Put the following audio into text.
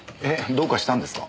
どうかしたんですか？